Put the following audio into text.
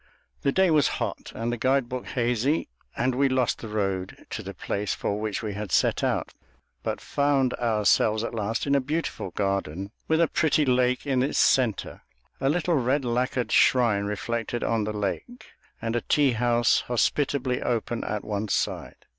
The day was hot and the guide book hazy, and we lost the road to the place for which we had set out, but found ourselves at last in a beautiful garden, with a pretty lake in its centre, a little red lacquered shrine reflected in the lake, and a tea house hospitably open at one side.